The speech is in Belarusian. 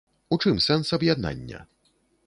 У чым сэнс аб'яднання?